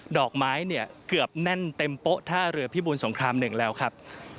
ดอกไม้เกือบแน่นเต็มโป๊ะท่าเรือพิบูลสงครามหนึ่งแล้วครับ